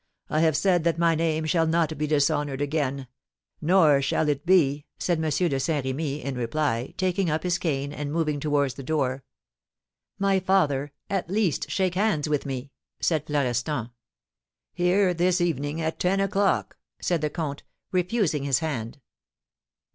I have said that my name shall not be dishonoured again; nor shall it be," said M. de Saint Remy, in reply, taking up his cane, and moving towards the door. "My father, at least shake hands with me!" said Florestan. "Here this evening at ten o'clock," said the comte, refusing his hand.